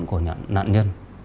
của nạn nhân